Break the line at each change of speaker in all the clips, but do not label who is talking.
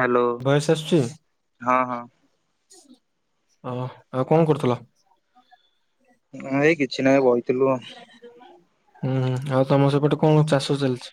Hello
voice ଆସୁଛି
ହଁ ହଁ।
ଓ ଆଉ କଣ କରୁଥିଲ।
ଏଇ। କିଛି ନାହିଁ ବଇଥିଲୁ ଆଉ।
ହୁଁ ହୁଁ ଆଉ ତମ ସେପଟେ କଣ ଚାଷ ଚାଲିଛି?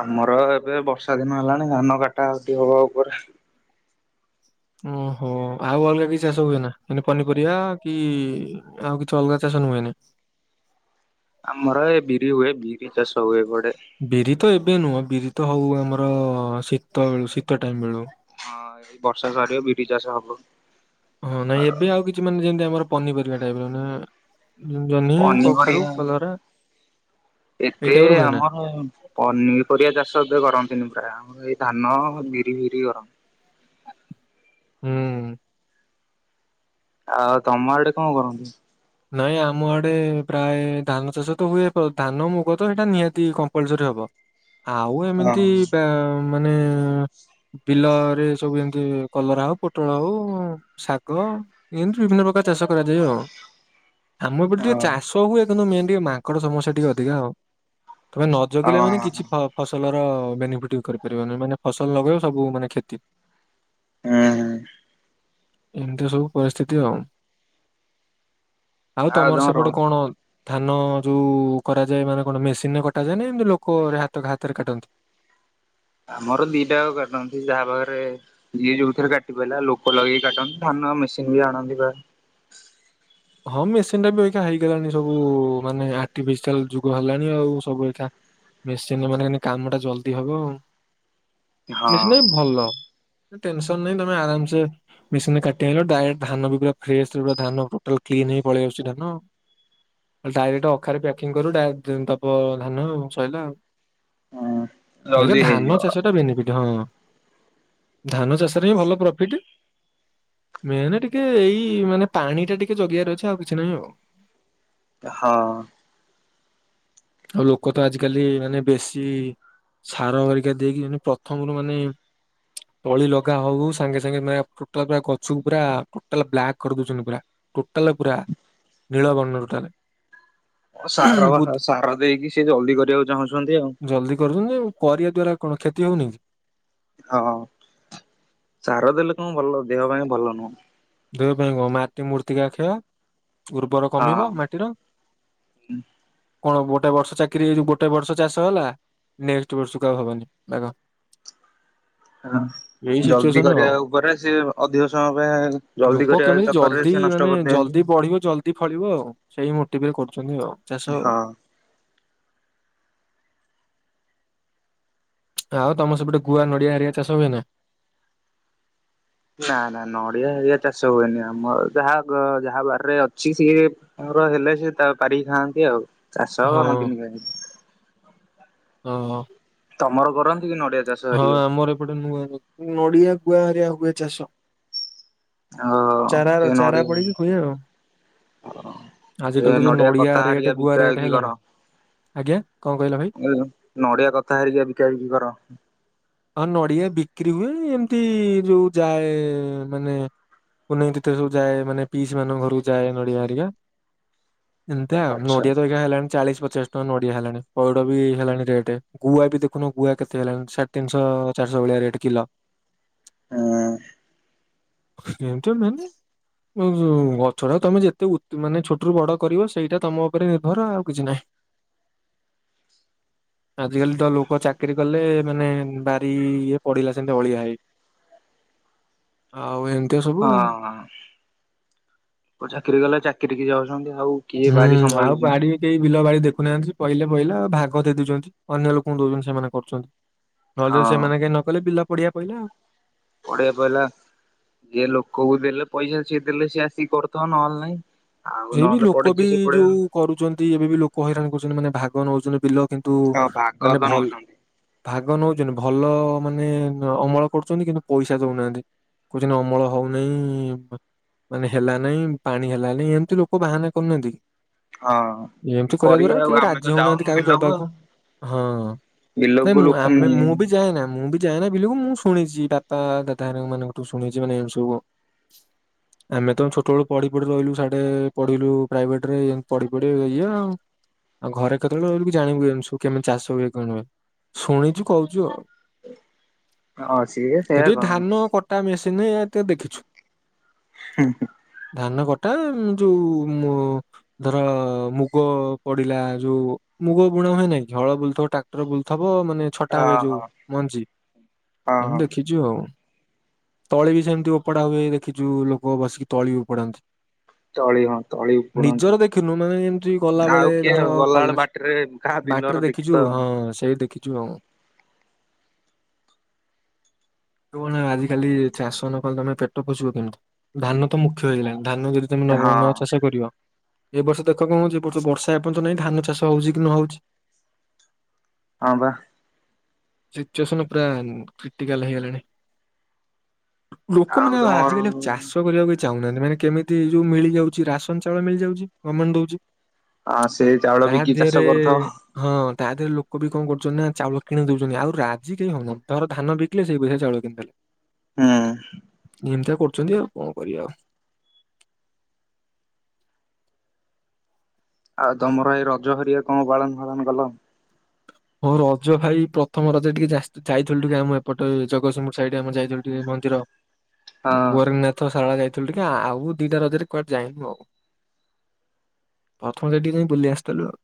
ଆମର ଏବେ ବର୍ଷା ଦିନ ହେଲାଣି ଧାନ କାଟା କଟି ହବା ଉପରେ।
ଓହୋ ଆଉ ଅଲଗା କିଛି ଚାଷ ହୁଏ ନା ମାନେ ପନିପରିବା କି ଆଉ କିଛି ଅଲଗା ଚାଷ ନୁହେନି।
ଆମର ଏ ବିରି ହୁଏ ବିରି ଚାଷ ହୁଏ ଏପଟେ।
ବିରି ତ ଏବେ ନୁହଁ ବିରି ତ ହଉ ଆମର ଶୀତ ବେଳୁ ଶୀତ ଟାଇମ ବେଳୁ।
ହଁ ଏ ବର୍ଷା ସାରି ବ ବିିରି ଚାଷ ହବ।
ହଁ ନାଇଁ
ଆର
ଏବେ ଆଉ କିଛି ମାନେ ଯେମତି ଆମର ପନିପରିବା ଟାଇପ ର ଜହ୍ନି କଖାରୁ
ପନିପରିବା
କଲରା ଏଇ
ଏତେ
ଟାଇପ ର ହୁଏ ନା
ଆମର ପନିପରିବା ଚାଷ ଏ କରନ୍ତିନି ପ୍ରାୟ। ଆମର ଏଇ ଧାନ ବିରି ଫିରି କରନ୍ତି।
ହୁଁ।
ଆଉ ତମ ଆଡେ କଣ କରନ୍ତି?
ନାଇଁ ଆମ ଆଡେ ପ୍ରାୟ ଧାନ ଚାଷ ତ ହୁଏ ଧାନ ମୁଗ ତ ସେଇଟା ନିହାତି କମ୍ପଲସରି ହବ। ଆଉ
ହଁ
ଏମିତି ମାନେ ବିଲରେ ସବୁ ଏମିତି କଲରା ହଉ ପୋଟଳ ହଉ ଶାଗ ଏମତି ବିଭିନ୍ନ ପ୍ରକାର ଚାଷ କରାଯାଏ ଆଉ। ଆମ ଏପଟେ ଟିକେ
ହଁ
ଚାଷ ହୁଏ। କିନ୍ତୁ ମେନ୍ ଟିକେ ମାଙ୍କଡ ସମସ୍ୟା ଟିକେ ଅଧିକା ଆଉ। ତମେ ନ ଜଗିଲେ
ହଁ ହଁ
ମାନେ କିଛି ଫ ଫସଲ ଆମର ବେନିଫିଟ କରିପାରିବନି ମାନେ ଫସଲ ଲଗେଇବ ସବୁ ମାନେ କ୍ଷତି।
ହୁଁ ହୁଁ।
ଏମିତି ସବୁ ପରିସ୍ଥିତି ଆଉ। ଆଉ ତମର
ତମ ର
ସେପଟେ କଣ? ଧାନ ଯୋଉ କରାଯାଏ ମାନେ କଣ ମେସିନରେ କଟା ଯାଏ ନା ଏମିତି ଲୋକ ହାତ ହାତରେ କାଟନ୍ତି।
ଆମର ଦିଟା ଆ କାଟନ୍ତି ଯାହା ପାଖରେ ଯିଏ ଯୋଉଥିରେ କାଟି ପାରା ଲୋକ ଲଗେଇକି କାଟନ୍ତି ଧାନ ମେସିନ ବି ଆଣନ୍ତି ବା
ହଁ ମେସିନ ଟା ବି ଏଇଁଖେ ହେଇଗଲାଣି ସବୁ ମାନେ ଆର୍ଟିଫିସିଆଲ ଯୁଗ ହେଲାଣି ଆଉ ସବୁ ଏଇଖା ମେସିନରେ ମାନେ କାମ ଟା ଜଲଦି ହବ ଆଉ।
ହଁ।
ମେସିନଟାବି ଭଲ। ଟେନସନ ନାଇଁ ତମେ ଆରାମସେ ମେସିନରେ କାଟିଆନିଲ ଡାଇରେକ୍ଟ ଧାନ ବି ପୁରା ଫ୍ରେସ ଯୋଉ ଧାନ ଟୋଟାଲ କ୍ଲିନ୍ ହେଇ ପଳିଆସୁଛି ଧାନ ଡାଇରେକ୍ଟ ଅଖାରେ ପ୍ୟାକିଂ କରୁବୁ ଡାଇରେ ଦବ ଧାନ ଆଉ ସଇଲା ଆଉ। ଏଇନା
ଜଲ୍ଦି
ଧାନ
ହେଇଯିବ
ଚାଷ ଟା ବେନିଫିଟ ହଁ। ଧାନ ଚାଷରେ ହିଁ ଭଲ ପ୍ରଫିଟ ମେନ ଟିକେ ଏଇ ମାନେ ପାଣି ଟା ଟିକେ ଜଗିଆରେ ଅଛି ଆଉ କିଛି ନାହିଁ ଆଉ।
ହଁ।
ଆଉ ଲୋକ ତ ଆଜିକାଲି ମାନେ ବେଶୀ ସାରଘରିକା ଦେଇକି ମାନେ ପ୍ରଥମରୁ ମାନେ ତଳି ଲଗା ହଉ ହଉ ସାଙ୍ଗେ ସାଙ୍ଗେ ମାନେ ଟୋଟାଲ ପୁରା ଗଛକୁ ପୁରା ଟୋଟାଲ ବ୍ଲାକ୍ କରିଦଉଛନ୍ତି ପୁରା ଟୋଟାଲ ପୁରା ନୀଳବର୍ଣ୍ଣ ଟୋଟାଲ।
ସାର ହ
ବହୁତ
ସାର ଦେଇକି ସେଇ ଜଲଦି କରିବାକୁ ଚାହୁଁଛନ୍ତି ଆଉ।
ଜଲ୍ଦି କରୁଛନ୍ତି କରିବା ଦ୍ଵାରା କଣ କ୍ଷତି ହଉନି କି?
ହଁ ସାର ଦେଲେ କଣ ଭଲ ଦେହ ପାଇଁ ଭଲ ନୁହଁ।
ଦେହ ପାଇଁ କଣ ମାଟି ମୂର୍ତ୍ତିକାକ୍ଷୟ। ଉର୍ବର
ହଁ।
କମିବ ମାଟିର। କଣ ଗୋଟେ ବର୍ଷ ଚାକିରି ହେଇ ଗୋଟେ ବର୍ଷ ଚାଷ ହେଲା ନେକ୍ସଟ ବର୍ଷକୁ ଆଉ ହବନି ବାଗ।
ହଁ
ଏଇ
ଜଲଦି
ସିଚୁଏସନ ଆଉ
କରିବା ଉପରେ ସିଏ ଅଧିକ ସମୟ ପାଇଁ ଜଲ୍ଦି
ଲୋକ
କରିବା
କେମିତି
ଚକରରେ
ଜଲ୍ଦୀ
ସେ ନଷ୍ଟ
ମାନେ
କରିଦିଅନ୍ତି
ଜଲ୍ଦି ପଢ଼ିବେ ଜଲଦି ଫଳିବ ଆଉ। ସେଇ ମୋଟିଭ ରେ କରୁ। ଚନ୍ତି ଆଉ ଚାଷ।
ହଁ।
ଆଉ ତମର ସେପଟେ ଗୁଆ ନଡିଆ ହେରିକା ଚାଷ ହୁଏ ନା?
ନା ନା ନଡିଆ ହେରିକା ଚାଷ ହୁଏନି ଆମର ଯାହା ଯାହା ବାରରେ ଅଛି ସିଏର ହେଲେ ସେ ତାଙ୍କର ପାରିକି ଖାଆନ୍ତି ଆଉ। ଚାଷ କରନ୍ତିନି କେହି।
ଓହୋ।
ତମର କରନ୍ତି। କି ନଡିଆ ଚାଷ
ହଁ
ହେରିକା
ଆମର ଏପଟେ ନୂଆ ନଡିଆ ଗୁଆ ହରିଆ ହୁଏ ଚାଷ।
ହ
ଚାରା
ସେ
ଚାରା
ନଡିଆ
ପଡିକି ହୁଏ ଆଉ
ସେ
ଆଜିକାଲି ତ ଯୋଉ
ନଡ଼ିଆ
ନଡିଆ
କଥା
ରେଟ୍
ହାରିକା
ଗୁଆ
ବିକା
ରେଟ୍
ବିକି
ହେଲାଣି
କର।
ଆଜ୍ଞା କଣ କହିଲ ଭାଇ?
ନଡ଼ିଆ କଥା ହାରିକକା ବିକା ବିକି କର।
ହଁ ନଡିଆ ବିକ୍ରି ହୁଏ ଏମିତି ଯୋଉ ଯାଏ ମାନେ ପୁନେଇଁ ତିଥି ରେ ଯାଏ ମାନେ ପିସି ମାନଙ୍କ ଘରକୁ ଯାଏ ନଡ଼ିଆ ହାରିକା। ଏମିତି ଆଉ
ଆଚ୍ଛା
ନଡ଼ିଆ ତ ହେରିକା ହେଲାଣି। ଚାଳିଶ ପଚାଶ ଟଙ୍କା ନଡିଆ ହେଲାଣି। ପଇଡ ବି ହେଲାଣି ରେଟ। ଗୁଆ ବି ଦେଖୁନ ଗୁଆ କେତେ - ସେ ହେଲାଣି ସାଢ଼େ ତିନିଶହ ଚାରିଶହ ଭଳିଆ ରେଟ୍ କିଲୋ।
ହଁ।
ସେମିତି ହୁଏନି। ଗଛଟା ତମେ ଯେତେ ମାନେ ଛୋଟରୁୁ ବଡ କରିବ ସେଇଟା ତମ ଉପରେ ନିର୍ଭର ଆଉ କିଛି ନାହିଁ। ଆଜିକାଲି ତ ଲୋକ ଚାକିରୀ- ଗଲେ ମାନେ ବାରି ଇଏ ପଡିଲା ସେମିତି ଅଳିଆ ହେଇ ଆଉ ଏ-
ହଁ ହଁ। ପୂଜା କିଛି ଦିନ ହେଲା ଚାକିରି କି ଯାଉ- [unintelligible] ଆଉ କିଏ
ହୁଁ
ବାରି
ଆଉ
ସମ୍ଭାଳୁଛି।
ବାଡି କେହି ବିଲ ବାଡି ଦେଖୁନାହାନ୍ତି ପହିଲେ ପହିଲା ଭାଗ ଦେଇ ଦଉଛନ୍ତି। ଅନ୍ୟ ଲୋକଙ୍କୁ ଦଉଛନ୍ତି। ସେମାନେ କରୁଛନ୍ତି। ନହେଲେ
ହଁ
ସେମାନେ କାଇ ନ କଲେ ବିଲ- ପଡ଼ିଆ ପଇଲା ଆଉ।
ପଡିଆ ପଇଲା, ଯିଏ ଲୋକକୁ ଦେଲେ ପଇସା, ସିଏ ଦେଲେ ସିଏ ଆସିକି କରୁଥିବ ନହେଲେ ନାଇଁ। ଆଉ
ସେ ବି
ନହେଲେ
ଲୋକ ବି
ପଡିଛି ସେ ପଡିଆ
ଯୋଉ କରୁଚନ୍ତି ଏବେ ବି ଲୋକ ହଇରାଣ କରୁଚନ୍ତି, ମାନେ ଭାଗ ନୋଉଚନ୍ତି ବିଲ କିନ୍ତୁ
ହଁ ଭାଗ
ମାନେ
ତ
ଭଲ
ନଉଛନ୍ତି
ଭାଗ୍ ଆଗ ନଉଚନ୍ତି ଭଲ ମାନେ ଅମଳ କରୁଚନ୍ତି କିନ୍ତୁ ପଇସା ଦଉନାହାନ୍ତି କହୁଚନ୍ତି ଅମଳ ହଉନାହିଁ ମାନେ ହେଲ ନାହିଁ ପାଣି ହେଲାନାହିଁ ଏମ ତି ଲୋକ ବାହାନା କରୁନାହାନ୍ତିକି?
ହଁ ସେ
ଏମିତି କରିବା ଦ୍ଵାରା
ଆଉ
କେହି
ଆମେ ତ
ରାଜି ହଉନାହାନ୍ତି
ଯାଉନୁ
କାହାକୁ
ବିଲକୁ
ଦବାକୁ
ଆଉ।
ହଁ ନାଇଁ
ବିଲକୁ
ମୁଁ
ଲୋକ
ଆମେ
ନିଏ
ମୁଁ ବି ଚାହେଁନା ମୁଁ ବି ଯାଏନା ବିଲୁକୁ ମୁଁ ଶୁଣିଚି ବାପା ଦାଦା ହେରିକା ମାନଙ୍କଠୁ ଶୁଣିଚି ମାନେ ଏ ସବୁ ଆମେ ତ ଛୋଟ ବଳୁ ପଢି ପଢି ରହିଲୁ ସାଡେ ରେ ପଢିଲୁ ପ୍ରାଇଭେଟ ରେ ପ ପଢ଼ି ପଢ଼ି ଏଇଆ ଆଉ ଘରେ କେତେବେଳେ ରହିଲୁ କି ଜାଣିବୁ ଏ ସବୁ କେମିତି ଚାଷ ହୁଏ କଣ ହୁଏ ଶୁଣିଚୁ କହୁଚୁ ଆଉ।
ହଁ ସିଏ ସେୟା କରନ୍ତି।
ତି ନିହାତି ଦେଖିଛୁ।
[unintelligible]
ଧାନ କଟା ଯୋଉ ମୋ ଧର ମୁଗ ପଡିଲା, ଯୋଉ ମୁଗ ବୁଣ ହୁଏ ନାଇଁ କି, ହଳ ବୁଲଥବ, ଟ୍ରାକ୍ଟର ବୁଲଥବ। ହବ ମାନେ ଛଟା ହୁଏ
ହଁ
ଯୋଉ
ହଁ
ମଞ୍ଜି,
ହଁ ହଁ
ଏମିତି ଦେଖିଛୁ ଆଉ। ତଳି ବି ସେମିତି ଉପଡା ହୁଏ, ଦେଖିଛୁ ଲୋକ ବସିକି ତଳି ବି ଉପଡ଼ାନ୍ତି।
ତଳି ହଁ ତଳି ଉପୁଡନ୍ତି।
ନିଜର ଦେଖିନୁ ମାନେ, ଯେମିତି
ଆଉ
ଗଲାବେଳେ
କିଏ
ଧର
ଗଲାବେଳେ
କଲେଜ
ବାଟରେ କାହା ବିଲର
ବାଟରେ
ଦେଖିତ
ଦେଖିଛୁ ହଁ ସେଇ ଦେଖ ଆଜିକାଲି ଚାଷ ନ କଲେ ତମେ ପେଟ ପୋଷିବ କେମିତି, ଧାନ ତ ମୁଖ୍ୟ ହେଇଗଲାଣି ଧାନ [unintelligible] ତମେ ଲବଙ୍ଗ
ହଁ
ନବ ଚାଷ କରିବ। ଏ ବର୍ଷ ଦେଖ କଣ ହଉଛି, ଏ ବର୍ଷ ବର୍ଷା ଏପର୍ଯ୍ୟନ୍ତ ନାହିଁ ଧାନ ଚାଷ ହଉଛି କି ନ ହଉଛି।
ହଁ ବା।
ସିଚୁଏସନ ପୁରା କ୍ରିଟିକାଲ ହେଇଗଲାଣି। ଲୋକମାନେ ଆଉ ଆଜିକାଲି ଚାଷ କରିବାକୁ ଏତେ ଚାହୁନାହାନ୍ତି ମାନେ କେମିତି? ଏ ଯୋଉ ମିଳିଯାଉଛି ରାସନ ଚାଉଳ ମିଳିଯାଉଛି ଗମେଣ୍ଟ ଦଉଛି?
ଆ ସେ ଚାଉଳ
ତା
ବିକି
ଦେହରେ
ଚାଷ କରୁଥାଅ।
ହଁ ତା ଦେହରେ ଲୋକ ବି କଣ କରୁଛନ୍ତି ନା ଚାଉଳ କିଣି ଦଉଛନ୍ତି, ଆଉ ରାଜି କେହି ହଉନାହାନ୍ତି, ତାଙ୍କର ଧାନ ବିକିଲେ ସେଇ ପଇସା ଚାଉଳ କିଣିଦେଲେ।
ହୁଁ।
ଏମିତି ତ କରୁଚନ୍ତି ଆଉ କଣ କରିବା ଆଉ।
ଆଉ ତମର ଏଇ ରଜ ହେରିଆ କଣ ପାଳନ ଫାଳନ କଲ?
ହଁ ରଜ ଭାଇ ପ୍ରଥମ ରଜ ଟିକେ ଯା ଯାଇଥିଲୁ ଟିକେ ଆମ ଏପଟେ ଜଗତସିଂପୁର ସାଇଡ୍ ଆମେ ଯାଇଥିଲୁ ଟିକେ ମନ୍ଦିର
ହଁ
ବରିଗନାଥ ଶାଳା ରେ ଥିଲୁ ଟିକେ ଆ ଆଉ ଦିଟା ରଜରେ କୁଆଡେ ଯାଇନୁ ଆଉ ପ୍ରଥମ ସେ ଟିକେ ଯାଇଁ ବୁଲି ଆସିଥିଲୁ ଆଉ।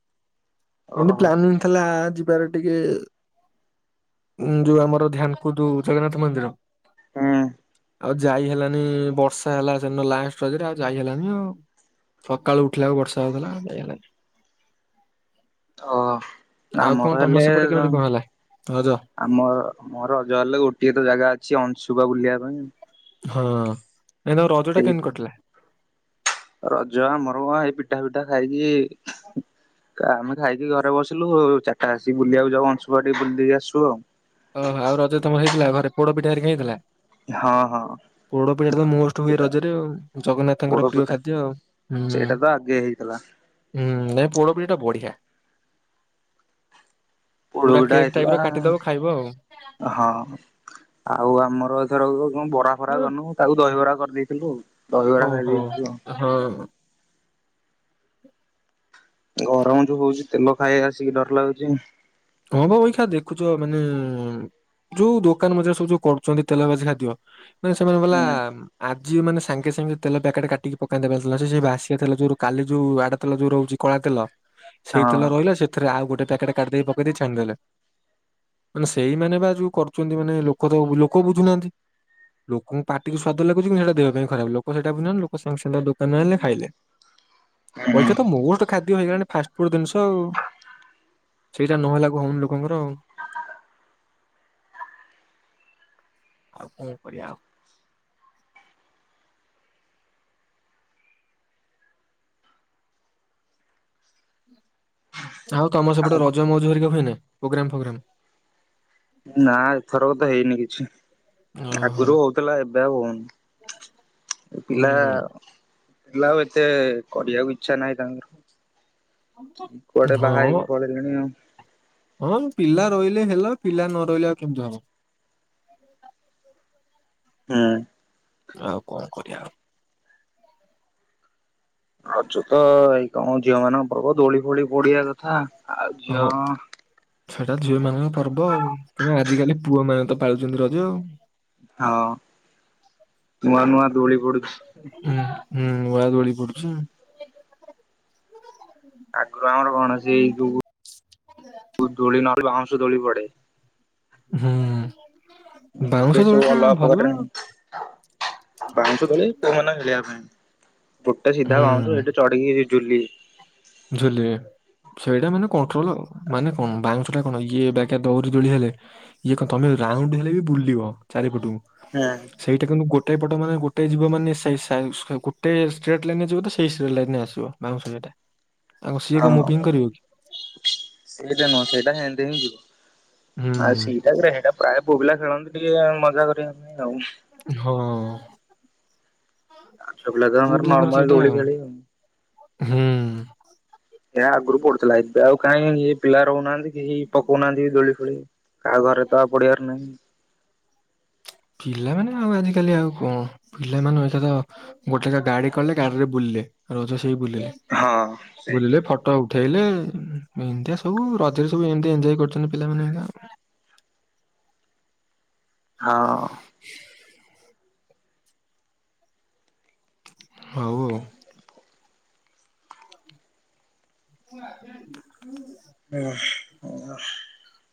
ଏମିତି
ଓହୋ
ପ୍ଲାନ୍ ଥିଲା ଯିବାର ଟିକେ ଯୋଉ ଆମର ଧ୍ୟାନ କୁ ଜଗନ୍ନାଥ ମନ୍ଦିର
ହୁଁ।
ଆଉ ଯାଇ ହେଲାନି ବର୍ଷା ହେଲା ସେଦିନ ଲାଷ୍ଟରେ ଆଉ ଯାଇ ହେଲାନି ଆଉ ସକାଳୁ ଉଠିଲା ବେଳକୁ ବର୍ଷା ହଉଥିଲା ଯାଇ ହେଲାନି।
ଓ ନା
ଆଉ
ଆମ
କଣ ତମ
କହିଲେ
ସେପଟେ କେମିତି
ତମ
କଣ ହେଲା ରଜ
ଆମ ମୋର ରଜ ହେଲେ ଗୋଟିଏ ତ ଜାଗା ଅଛି ଅ ଶୁଭ ବୁଲିବା ପାଇଁ
ହଁ। ନାଇଁ ତମ ରଜ ଟା
ସେଇଠି।
କେମିତି କଟିଲା?
ରଜ ଆମର କଣ ଏଇ ପିଠା ପିଠା ଖାଇକି ଆମେ ଖାଇକି ଘରେ ବସି ଥିଲୁ ଆଉ ଚରିଟା ଆସିକ ବୁଲିବାକୁ ଯାଉ ଅଂଶୁପା ଟିକେ ବୁଲିକି ଦେଇ ଆସିବୁ ଆଉ।
ଓହୋ ଆଉ ରଜ ତମ ହେଇଥିଲା ଘରେ ପୋଡ ପିଠା ହେରିକା ହେଇଥିଲା।
ହଁ ହଁ
ପୋଡ ପିଠା ତ ମୋଷ୍ଟ ହୁଏ
ସେଟା
ରଜରେ ଆଉ
ପୋଡ
ଜଗନ୍ନାଥଙ୍କର ପ୍ରିୟ
ପିଠା
ଖାଦ୍ୟ ହୁଁ
ସେଇଟା ତ ଆଗେ ହେଇଥିଲା
ହୁଁ ନାଇ ପୋଡପିଠା ବଢିଆ। ପୁରା
ପୋଡପିଠା
କେକ୍ ଟାଇପ
ହେଇଥିଲା
ର କାଟିଦବ ଖାଇବ ଆଉ।
ହଁ ଆଉ ଆମର ଧର ବରା ଫରା କରନୁ ତାକୁ ଦହିିବରା କରିଦେଲୁ। ହେଲୋ,
ଓଉ ହଉ ହଁ [inaudible]
ଗରମ ଯୋଉ ହଉଛି ତେଲ ଖାଇ ଆସିକି ଡର ଲାଗୁଚି।
ହଁ ବା ଦେଖୁଛ ମାନେ ଯୋଉ ଦୋକାନ ମଜାର ସବୁ ଯୋଉ କରୁଛନ୍ତି ତେଲ ବାଜି ଖାଦ୍ୟ ମାନେ ସେମାନେ ବଲା
ହୁଁ
ଯିଏ ମାନେ ସାଙ୍ଗେ ସାଙ୍ଗେ ତେଲ ପ୍ୟାକେଟ କାଟିକି ପକାଇ ଦେବାରଥିଲା ସେ ଭାସିବା ତେଲ ଯୋଉ କାଲି ଯୋଉ ଆର ତେଲ ଯୋଉ ରହୁଛି କଳା ତେଲ ସେଇତେଲ
ହଁ
ରହିଲା ସେଥିରେ ଆଉ ଗୋଟେ ଗୋଟେ ପ୍ୟାକେଟ କାଟିଦେଇକି ପକେଇ ଦେଇ ଛାଣି ଦେଲେ ମାନେ ସେଇମାନେେ ବା ଯୋଉ କରୁଛନ୍ତି ମାନେ ଲୋକ ତ ଲୋକ ବୁଝୁନାହାନ୍ତି ଲୋକଙ୍କୁ ପାଟିକୁ ସ୍ଵାଦ ଲାଗୁଛି କି ସେଇଟା ଦେହ ପାଇଁ ଖରାପ ଲୋକ ସେଇଟା ବୁଝୁନାହାନ୍ତି ଲୋକ ସାଙ୍ଗେ ସାଙ୍ଗେ ଦୋକାନ ଆଣେ ଖାଇଲେ
ହୁଁ
ଅଇକାତ ମୋଷ୍ଟ ଖାଦ୍ୟ ହେଇଗଲାଣି ଫାଷ୍ଟ ଫୁଡ ଜିନିଷ ଆଉ। ସେଇଟା ନହେଲା କୁ ହଉନି ଲୋକଙ୍କର ଆଉ କଣ କରିବା ଆଉ ଆଉ ତମ ସେପଟେ
ଆଉ
ରଜ ମଉଜ ଘରିକା ନାଇଁ ନାଇଁ ପ୍ରୋଗ୍ରାମ ଫୋଗ୍ରାମ୍।
ନା ଏଥରକ ତ ହେଇନି କିଛି
ଓହୋ
ଆଗରୁ ହଉଥିଲା ଏବେ ଆଉ ହଉନି ଏ ପିଲା
ହୁଁ
ଆଉ ଏତେ କରିଆକୁ ଇଛା ନାହିଁ ତାଙ୍କର କୁଆଡେ ବାହା
ହଁ
ହେଇକି ପଳେଇଲେଣି ଆଉ।
ହଁ ପିଲା ରହିଲେ ହେଲେ ପିଲା ନ ରହିଲେ ଆଉ କେମିତି ହବ।
ହୁଁ।
ଆଉ କଣ କରିବା ଆଉ
ଅଛୁ ତ ଏଇ କଣ ଝିଅ ମାନଙ୍କର ପର୍ବ ଦୋଳି ଫୋଳି ପଡିବା କଥା ଆଉ ଝିଅ
ହଁ ସେଟା ଝିଅ ମାନଙ୍କ ପର୍ବ ଆଉ ଆଜିକାଲି ପୁଅ ମାନେ ତ ପାଳୁଛନ୍ତି ରଜ।
ହଁ ନୂଆ ନୂଆ ଦୋଳି ପଡୁଛି।
ହୁଁ ହୁଁ ନୂଆ ଦୋଳି ପଡୁଛି।
ଆଗରୁ ଆମର କଣ ସେଇ ଯୋଉ ଦୋଳି ନ ଦୋଳି ପଡ଼େ।
ହୁଁ। ବାଉଁଶ
ଏବେ
ଦୋଳି
ସବୁ
ଟା
ଅଲଗା
ଭଲ
ପ୍ରକାର ଦୋଳି ଵାଉଶ ଦୋଳି ପୁଅ ମାନେ ଖେଳିବା ପାଇଁ। ଗୋଟେ ସିଧା ଵାଉଁଶ ସେଇଠି ଚଢିକି ଝୁଲି
ଝୁଲେ ସେଇଟା ମାନେ କଣ୍ଟ୍ରୋଲ ଆଉ ମାନେ କଣ ବାଉଁଶ ଟା କଣ ଇଏ ବାଗେ ଦରି ଦୋଳି ହେଲେ ଇଏ କଣ ତମେ ରାଉଣ୍ଡ ହେଲେ ବି ବୁଲିବ ଚାରିପଟକୁ
ହଁ
ସେଇଟା କିନ୍ତୁ ଗୋଟେ ଗୋଟେ ପଟ ମାନେ ଗୋଟେ ଯିବ ମାନେ ସେଇ ଗୋଟେ ଷ୍ଟ୍ରେଟ୍ ଲାଇନ ରେ ଯିବ ତ ସେଇ ଲାଇନ ରେ ଆସିବ ବାଉଁଶ ସେଟା
ହଁ ସେଟା ନୁହଁ ସେଇଟା ସେମତି ହିଁ ଯିବ।
ହୁଁ
ଆଉ ସେଇଟା ପ୍ରାୟ ପୁଅପିଲା ଖେଳନ୍ତି ଟିକେ ମଜା କରିନ୍ତି।
ହଁ
ଝିଅ ପିଲା ତ
ପୁଅ
ଆମର
ପିଲାଙ୍କର
ନର୍ମାଲ
ସେଇଟା
ଦୋଳି ଖେଳି ଆଉ।
ହୁଁ।
ଏ ଆଗରୁ ପଡୁଥିଲା ଏବେ ଆଉ କାଇଁ ଏଇ ପିଲା ରହୁନାହାନ୍ତି। କେହି ପକଉନାହାନ୍ତି ଦୋଳି ଫୋଳି କାହା ଘରେ ତ ଆଉ ପଡିବାର ନାହିଁ।
ପିଲାମାନେ ଆଉ ଆଜିକାଲି ଆଉ କଣ ପିଲାମାନେ ଏଇଖା ତ ଗୋଟେ ଗାଡି କଲେ ଗାଡିରେ ବୁଲିଲେ ବୁଲିଲେ
ହଁ ସେ
ବୁଲିଲେ ଫଟୋ ଉଠେଇଲେ ଏନତିୟା ସବୁ ରଜରେ ସବୁ ଏମତି ଏଜ କରୁଛନ୍ତି ପିଲାମାନେ ଏନକା।
ହଁ।
[inaudible] ହଉ ଆଉ। [inaudible]
[inaudible]